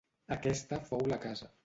Aquesta fou la casa.